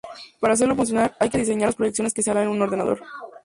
Para hacerlo funcionar hay que diseñar las proyecciones que se harán a un ordenador.